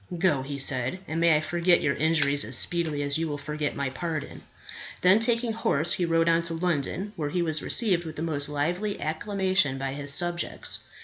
"Go," he said, "and may I forget your injuries as speedily as you will forget my pardon." Then taking horse, he rode on to London, where he was received with the most lively acclamation by his subjects.